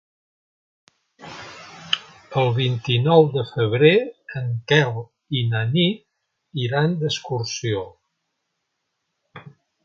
El vint-i-nou de febrer en Quel i na Nit iran d'excursió.